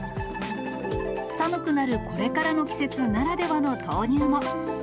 寒くなるこれからの季節ならではの豆乳も。